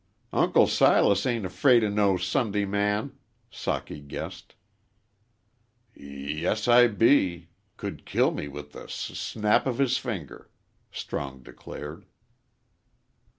"Uncle Silas ain't 'fraid o' no Sundayman," Socky guessed. "Y yes I be could kill me with a s snap of his finger," Strong declared.